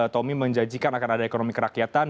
tommy menjanjikan akan ada ekonomi kerakyatan